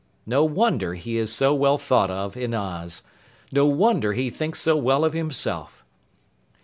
No wonder he is so well thought of in Oz! No wonder he thinks so well of himself!